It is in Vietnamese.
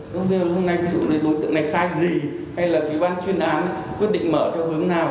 không biết hôm nay cái vụ này cái vụ này khai gì hay là cái văn chuyên án quyết định mở theo hướng nào